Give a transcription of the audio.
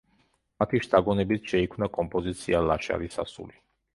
მათი შთაგონებით შეიქმნა კომპოზიცია „ლაშარის ასული“.